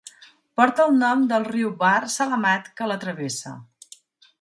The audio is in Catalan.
Porta el nom del riu Bahr Salamat que la travessa.